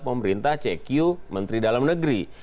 pemerintah cq menteri dalam negeri